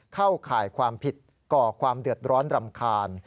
เข้าข่ายความผิดก่อความเดือดร้อนรำคาญ